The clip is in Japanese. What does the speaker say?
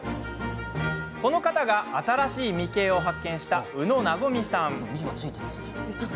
この方が「新しいミ形」を発見した宇野和さん。